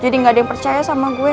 jadi gak ada yang percaya sama gue